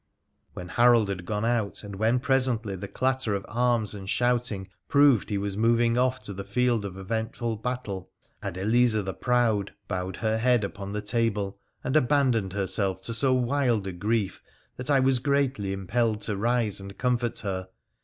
When Harold had gone out, and when presently the clatter of arms and shouting proved he was moving off to the field of eventful battle, Adeliza the proud bowed her head upon the table, and abandoned herself to so wild a grief that I was greatly impelled to rise and comfort her.